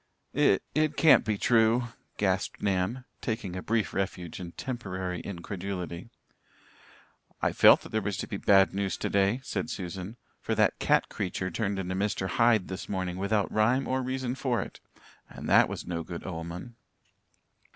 "It it can't be true," gasped Nan, taking a brief refuge in temporary incredulity. "I felt that there was to be bad news today," said Susan, "for that cat creature turned into Mr. Hyde this morning without rhyme or reason for it, and that was no good omen."